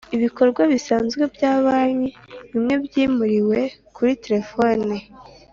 Ibikorwa bisanzwe bya banki bimwe byimuriwe kuri Phone